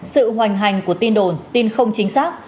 sự hoành hành của tin đồn tin không chính xác